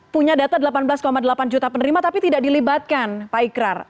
punya data delapan belas delapan juta penerima tapi tidak dilibatkan pak ikrar